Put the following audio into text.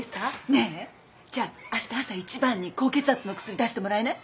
ねえじゃあした朝一番に高血圧の薬出してもらえない？